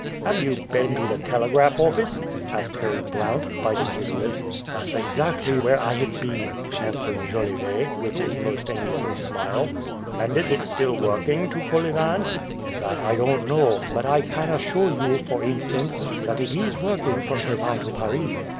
"Have you been to the telegraph office?" asked Harry Blount, biting his lips. "That's exactly where I have been!" answered Jolivet, with his most amiable smile. "And is it still working to Kolyvan?" "That I don't know, but I can assure you, for instance, that it is working from Kasan to Paris."